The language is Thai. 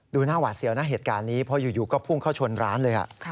ดูหน้าหวาดเสียวนะเหตุการณ์นี้เพราะอยู่ก็พุ่งเข้าชนร้านเลย